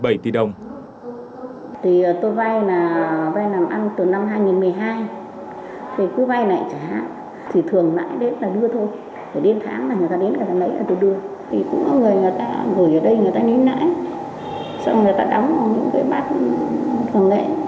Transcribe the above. với số tiền hàng tỷ đồng vỡ hủy ở đây người ta ní nãi xong người ta đóng vào những cái bát thường lễ